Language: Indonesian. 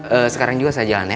ee sekarang juga saya jalan ya